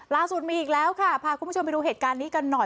ล่าสุดมีอีกแล้วค่ะพาคุณผู้ชมไปดูเหตุการณ์นี้กันหน่อย